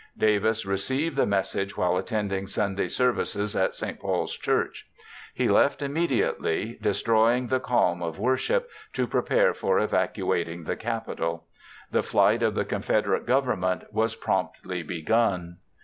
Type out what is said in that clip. Davis received the message while attending Sunday services at St. Paul's Church. He left immediately, destroying the calm of worship, to prepare for evacuating the capital. The flight of the Confederate government was promptly begun.